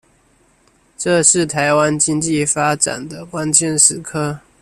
這是臺灣經濟發展的關鍵時刻